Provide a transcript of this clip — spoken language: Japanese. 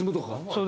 そう。